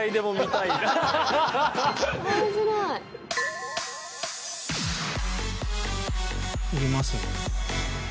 いきますね。